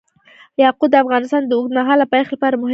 یاقوت د افغانستان د اوږدمهاله پایښت لپاره مهم رول لري.